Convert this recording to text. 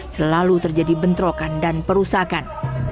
selalu terjadi bentrokan dan perusakan